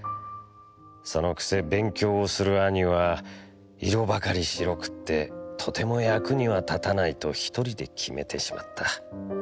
その癖勉強をする兄は色ばかり白くってとても役には立たないと一人で決めてしまった。